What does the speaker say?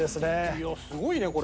いやすごいねこれ。